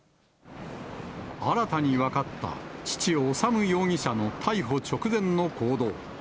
新たに分かった父、修容疑者の逮捕直前の行動。